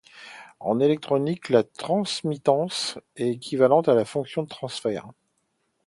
En électronique la transmittance est équivalente à la fonction de transfert.